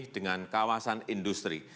dengan kawasan industri